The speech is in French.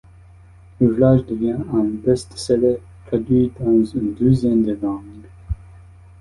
L'ouvrage devient un best-seller traduit dans une douzaine de langues.